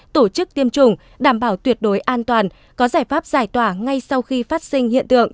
tổ chức tiêm chủng đảm bảo tuyệt đối an toàn có giải pháp giải tỏa ngay sau khi phát sinh hiện tượng